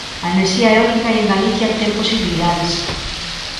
A enerxía eólica en Galicia ten posibilidades.